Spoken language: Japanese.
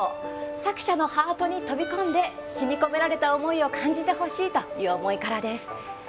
作者のハートに飛び込んで詩に込められた思いを感じてほしいという思いからです。